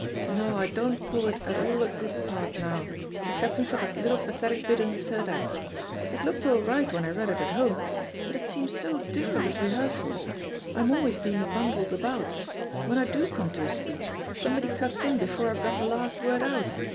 No, I don't call it at all a good part now, except ing for that little pathetic bit in the third act. It looked all right when I read it at home, but it seems so diff^erent at rehearsal — I'm always be ing bundled about ; when I do come to a speech, somebody cuts in before I've got the last word out.